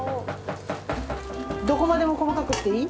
どこまでも細かくしていい？